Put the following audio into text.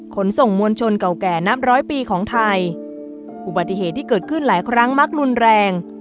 ขนส่งมวลชนเก่าแก่นับร้อยปีของไทยอุบัติเหตุที่เกิดขึ้นหลายครั้งมักรุนแรง